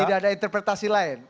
tidak ada interpretasi lain